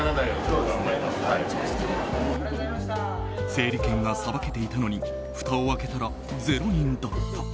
整理券がさばけていたのにふたを開けたら０人だった。